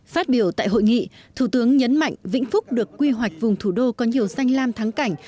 phát biểu tại hội nghị thủ tướng nhấn mạnh vĩnh phúc được quy hoạch vùng thủ đô có nhiều xanh lam thắng cảnh